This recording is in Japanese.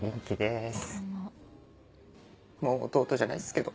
もう義弟じゃないっすけど。